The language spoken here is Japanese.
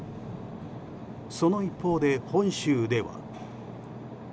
その一方で、本州では。